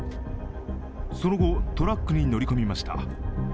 その後、トラックに乗り込みました